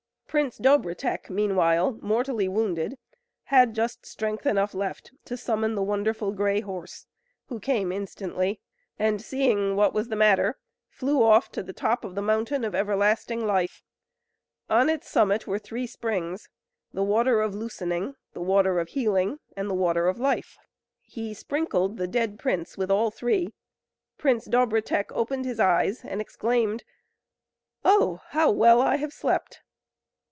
Prince Dobrotek meanwhile, mortally wounded, had just strength enough left to summon the Wonderful Grey Horse, who came instantly; and seeing what was the matter, flew off to the top of the mountain of Everlasting Life. On its summit were three springs the Water of Loosening, the Water of Healing, and the Water of Life. He sprinkled the dead prince with all three; Prince Dobrotek opened his eyes, and exclaimed: "Oh! how well I have slept!"